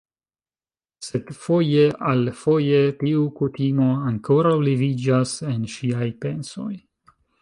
Sed, foje al foje, tiu kutimo ankoraŭ leviĝas en ŝiaj pensoj